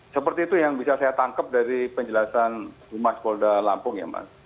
seperti itu yang bisa saya tangkap dari penjelasan humas polda lampung ya mas